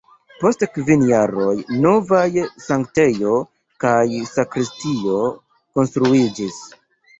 Post kvin jaroj novaj sanktejo kaj sakristio konstruiĝis.